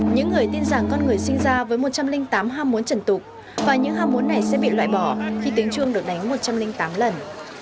những người tin rằng con người sinh ra với một trăm linh tám ham muốn trần tục và những ham muốn này sẽ bị loại bỏ khi tính chuông được đánh một trăm linh tám lần